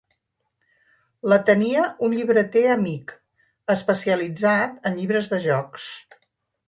La tenia un llibreter amic especialitzat en llibres de jocs.